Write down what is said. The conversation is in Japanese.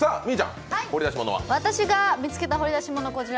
私が見つけた掘り出し物、こちら。